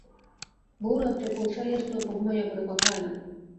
বহু রাত্রে কোজ সারিয়া আসিতে অপু ঘুমাইয়া পড়ে, কথা হয় না।